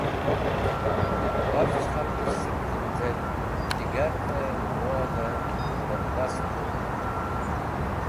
Khafch khalgẽs̃h sẽk tẽnzẽt digarvẽ mẽwodẽ tẽrdest gok̃ht.